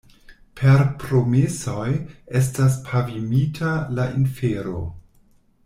Per promesoj estas pavimita la infero.